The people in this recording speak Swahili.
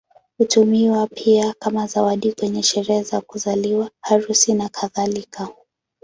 Hutumiwa pia kama zawadi kwenye sherehe za kuzaliwa, harusi, nakadhalika.